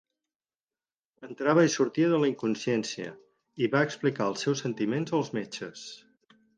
Entrava i sortia de la inconsciència i va explicar els seus sentiments als metges.